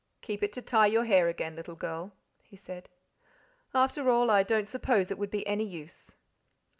"Keep it to tie your hair again, little girl," he said; "after all, I don't suppose it would be any use."